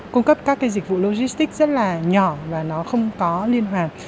cung cấp các cái dịch vụ logistics rất là nhỏ và nó không có liên hoàn